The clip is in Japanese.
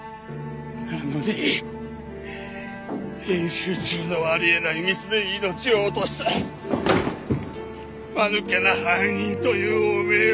なのに演習中のあり得ないミスで命を落としたまぬけな班員という汚名を着せられて。